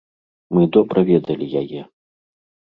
Мы добра ведалі яе.